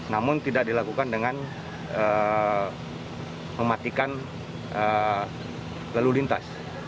namun tidak dilakukan dengan mematikan lalu lintas